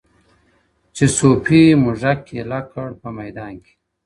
چي صوفي موږک ایله کړ په میدان کي!!